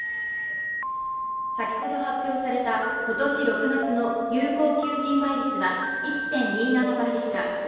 先ほど発表された今年６月の有効求人倍率は１．２７倍でした。